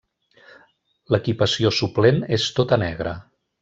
L'equipació suplent és tota negra.